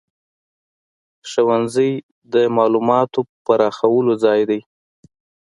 ښوونځی د معلوماتو پراخولو ځای دی.